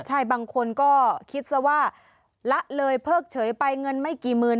ใช่บางคนก็คิดซะว่าละเลยเพิกเฉยไปเงินไม่กี่หมื่น